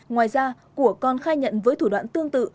ngoài ra của còn khai nhận với thủ đoạn tương tự